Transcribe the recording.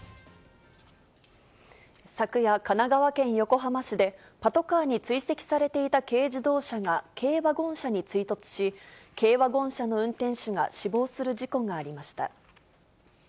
昨夜、神奈川県横浜市でパトカーに追跡されていた軽自動車が、軽ワゴン車に追突し、軽ワゴン車の運転手が死亡する事故がありました。